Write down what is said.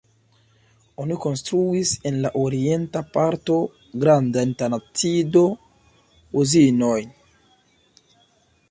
Oni konstruis en la orienta parto grandajn tanacido-uzinojn.